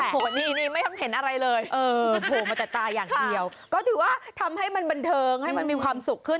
พอมันจะตาอย่างเดียวก็ถือว่าทำให้มันบันเทิงให้มันมีความสุขขึ้น